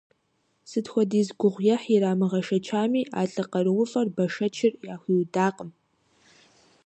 Сыт хуэдиз гугъуехь ирамыгъэшэчами, а лӏы къарууфӏэр, бэшэчыр яхуиудакъым.